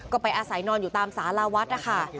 ก็ไปอาศัยนอนอยู่ตามสาราวัดนะคะ